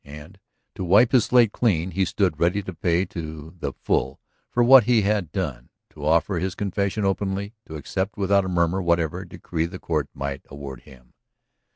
And, to wipe his slate clean, he stood ready to pay to the full for what he had done, to offer his confession openly, to accept without a murmur whatever decree the court might award him.